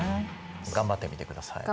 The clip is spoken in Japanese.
頑張ってみてください。